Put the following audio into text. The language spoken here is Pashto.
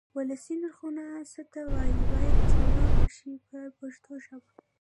ولسي نرخونه څه ته وایي باید ځواب شي په پښتو ژبه.